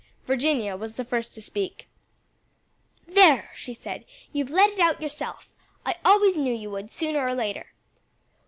Virginia was the first to speak. "There!" she said, "you've let it out yourself; I always knew you would sooner or later."